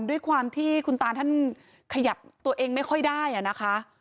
ด้วยความที่คุณตาท่านขยับตัวเองไม่ค่อยได้นะคะ